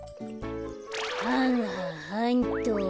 はんはんはんと。